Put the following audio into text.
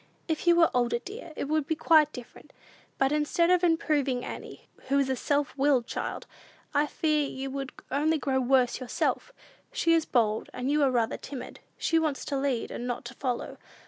"If you were older, dear, it would be quite different. But, instead of improving Annie, who is a self willed child, I fear you would only grow worse yourself. She is bold, and you are rather timid. She wants to lead, and not to follow.